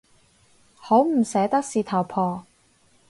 好唔捨得事頭婆